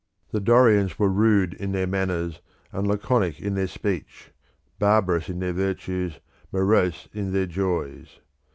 The Dorians were rude in their manners, and laconic in their speech, barbarous in their virtues, morose in their joys.